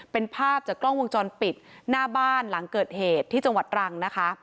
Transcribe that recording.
เป็นภาพจากกล้องวงจรปิดหน้าบ้านหลังเกิดเหตุที่จังหวัดรังนะคะ